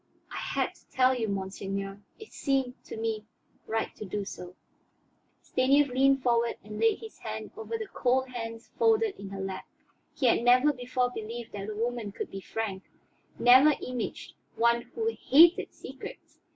I had to tell you, monseigneur; it seemed to me right to do so." Stanief leaned forward and laid his hand over the cold hands folded in her lap. He had never before believed that a woman could be frank, never imaged one who "hated secrets."